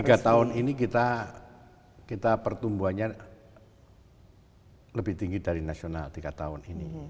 tiga tahun ini kita pertumbuhannya lebih tinggi dari nasional tiga tahun ini